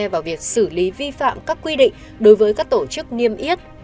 vào việc xử lý vi phạm các quy định đối với các tổ chức niêm yết